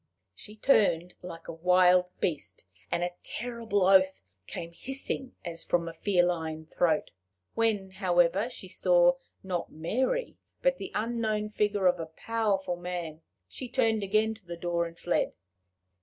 She turned like a wild beast, and a terrible oath came hissing as from a feline throat. When, however, she saw, not Mary, but the unknown figure of a powerful man, she turned again to the door and fled.